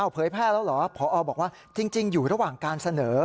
ผอบอกว่าจริงอยู่ระหว่างการเสนอ